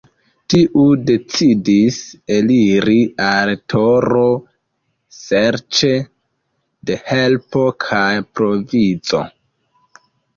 Tiu decidis eliri al Toro serĉe de helpo kaj provizo.